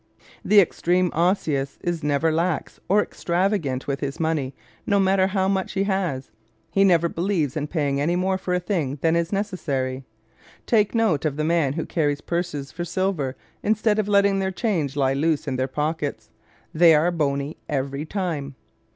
The extreme Osseous is never lax or extravagant with his money no matter how much he has. He never believes in paying any more for a thing than is necessary. Take note of the men who carry purses for silver instead of letting their change lie loose in their pockets. They are bony every time!